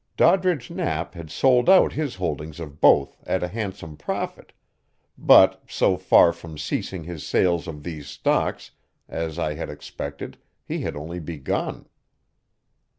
Doddridge Knapp had sold out his holdings of both at a handsome profit, but, so far from ceasing his sales of these stocks, as I had expected, he had only begun.